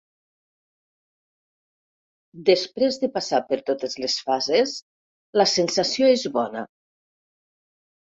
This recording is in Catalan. Després de passar per totes les fases la sensació és bona.